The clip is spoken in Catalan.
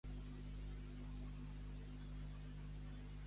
Quaresma clara, tot l'Advent emborbollada.